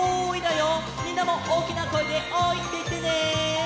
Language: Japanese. みんなもおおきなこえで「おーい」っていってね。